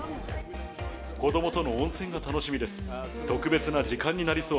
子どもとの温泉が楽しみです。